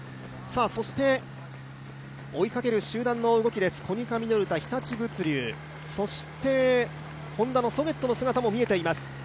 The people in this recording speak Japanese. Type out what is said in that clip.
そして追いかける集団の動きです、コニカミノルタ日立物流、そしてＨｏｎｄａのソゲッットの姿も見えています。